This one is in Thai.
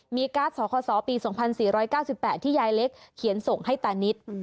การ์ดสคศปี๒๔๙๘ที่ยายเล็กเขียนส่งให้ตานิด